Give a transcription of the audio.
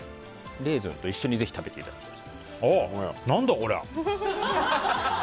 レーズンと一緒にぜひ食べていただきたい。